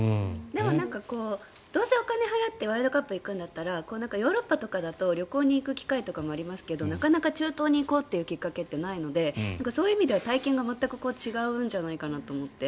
でもどうせお金を払ってワールドカップに行くんだったらヨーロッパとかだと旅行に行く機会とかありますがなかなか中東に行こうというきっかけってないのでそういう意味では体験が全く違うんじゃないかなと思って。